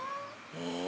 え！